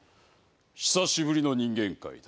久しぶりの人間界だ。